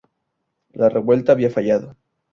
La revuelta había fallado.